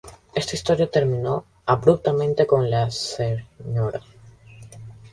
Esta historia terminó abruptamente con la Srta.